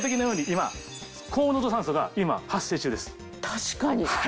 確かに。